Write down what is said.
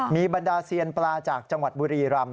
มีบรรดาเซียนปลาจากจังหวัดบุรีรำ